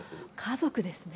家族ですね。